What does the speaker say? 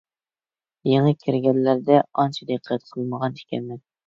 يېڭى كىرگەنلەردە ئانچە دىققەت قىلمىغان ئىكەنمەن.